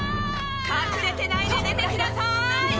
隠れてないで出てきなさい！